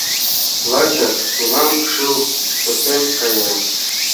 Лачак тунам шыл пытен кая.